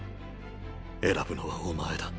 選ぶのはお前だ。